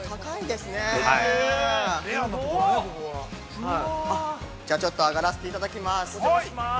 すごい◆ちょっと上がらせていただきます。